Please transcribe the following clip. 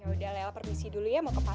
ya udah lelah permisi dulu ya mau ke pasar